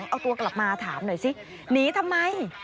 เอาตัวกลับมาถามหน่อยสิหนีทำไม